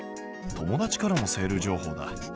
友達からもセール情報だ。